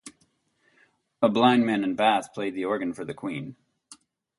A blind man in Bath played the organ for the queen.